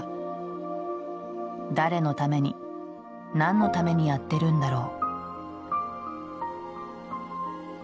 誰の為に、何の為にやってるんだろう？」。